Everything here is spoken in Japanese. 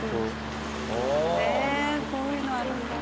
ええこういうのあるんだ。